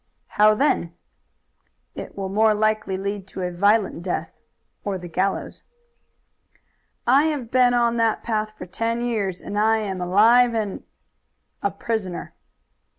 "How then?" "It will more likely lead to a violent death or the gallows." "I have been on that path for ten years and I am alive and " "A prisoner."